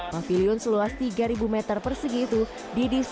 pavilion seluas tiga meter persegi itu didesain khususnya